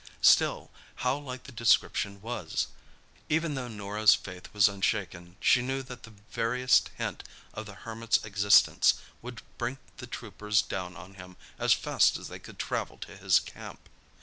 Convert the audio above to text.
Still, how like the description was! Even though Norah's faith was unshaken, she knew that the veriest hint of the Hermit's existence would bring the troopers down on him as fast as they could travel to his camp.